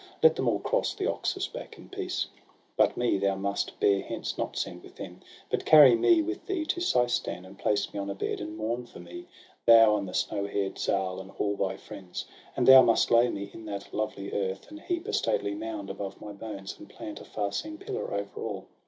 Let them all cross the Oxus back in peace. But me thou must bear hence, not send with them, But carry me with thee to Seistan, And place me on a bed, and mourn for me. Thou, and the snow hair'd Zal, and all thy friends. And thou must lay me in that lovely earth, And heap a stately mound above my bones, And plant a far seen pillar over all.